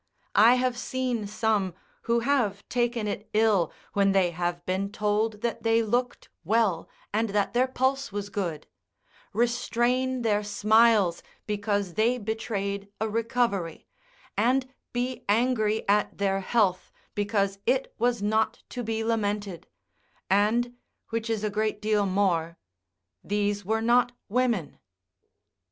I have seen some who have taken it ill when they have been told that they looked well, and that their pulse was good; restrain their smiles, because they betrayed a recovery, and be angry, at their health because it was not to be lamented: and, which is a great deal more, these were not women.